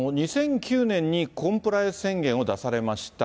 ２００９年にコンプライアンス宣言を出されました。